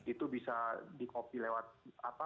itu bisa di copy lewat apa